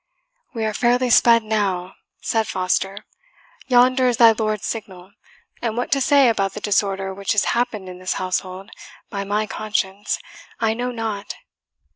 "We are fairly sped now," said Foster; "yonder is thy lord's signal, and what to say about the disorder which has happened in this household, by my conscience, I know not.